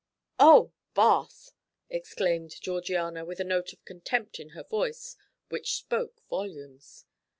"Oh Bath!" exclaimed Georgiana, with a note of contempt in her voice which spoke volumes.